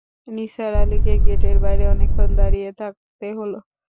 নিসার আলিকে গেটের বাইরে অনেকক্ষণ দাঁড়িয়ে থাকতে হল।